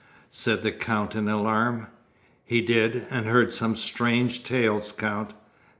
said the Count in alarm. "He did, and heard some strange tales, Count.